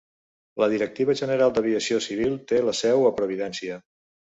La Directiva General d'Aviació Civil té la seu a Providencia.